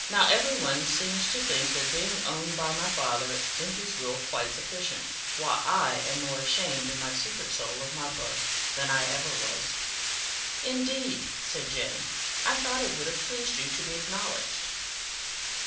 Now, every one seems to think that being owned by my father in his will quite sufficient, while I am more ashamed in my secret soul of my birth than I ever was." "Indeed!" said Jane, "I thought it would have pleased you to be acknowledged."